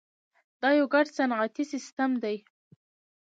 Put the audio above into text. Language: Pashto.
دا یو ګډ صنعتي سیستم دی.